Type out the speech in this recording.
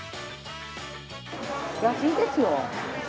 安いですよ。